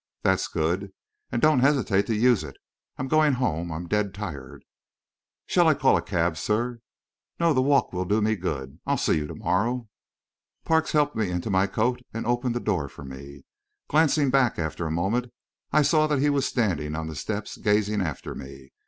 "That's good. And don't hesitate to use it. I'm going home I'm dead tired." "Shall I call a cab, sir?" "No, the walk will do me good. I'll see you to morrow." Parks helped me into my coat and opened the door for me. Glancing back, after a moment, I saw that he was standing on the steps gazing after me.